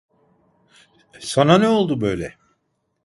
Sana ne oldu böyle?